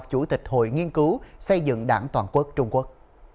chủ tịch hội nghiên cứu xây dựng đảng toàn quốc trung quốc